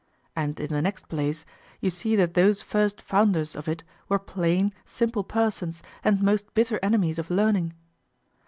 And in the next place, you see that those first founders of it were plain, simple persons and most bitter enemies of learning.